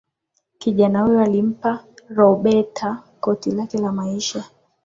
kijana huyo alimpa roberta koti lake la maisha